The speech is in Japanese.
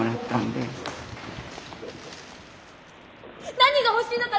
何が欲しいのか